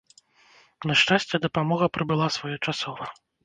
На шчасце, дапамога прыбыла своечасова.